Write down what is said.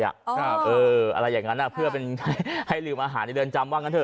อะไรอย่างนั้นเพื่อเป็นให้ลืมอาหารในเรือนจำว่างั้นเถ